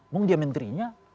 mau dia menterinya